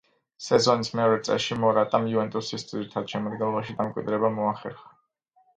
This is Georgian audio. სეზონის მეორე წრეში მორატამ „იუვენტუსის“ ძირითად შემადგენლობაში დამკვიდრება მოახერხა.